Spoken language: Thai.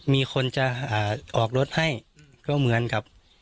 มีคนจะออกรถให้ก็เหมือนกับ